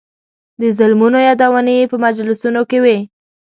د ظلمونو یادونې یې په مجلسونو کې وې.